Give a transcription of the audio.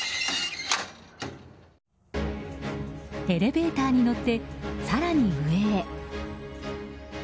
エレベーターに乗って更に上へ。